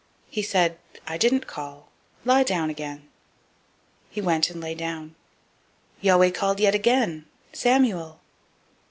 He said, I didn't call; lie down again. He went and lay down. 003:006 Yahweh called yet again, Samuel.